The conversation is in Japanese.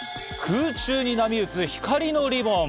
空中に波打つ光のリボン。